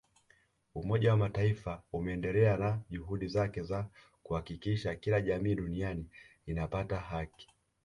Umoja wa Mataifa umeendelea na juhudi zake za kuhakikisha kila jamii duniani inapata haki